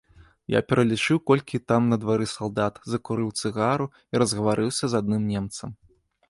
Я пералічыў, колькі там на двары салдат, закурыў цыгару і разгаварыўся з адным немцам.